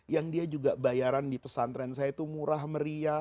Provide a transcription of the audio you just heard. yang dia juga bayaran di pesantren saya itu murah meriah